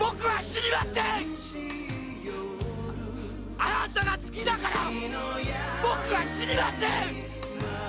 「あなたが好きだから僕は死にません！」